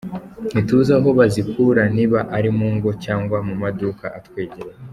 Ntituzi aho bazikura niba ari mu ngo cyangwa mu maduka atwegereye.